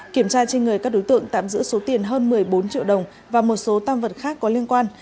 kiểm tra trên người các đối tượng tạm giữ số tiền hơn một mươi bốn triệu đồng và một số tam vật khác có liên quan